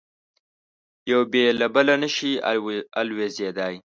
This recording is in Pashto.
یو بې له بله نه شي الوزېدای.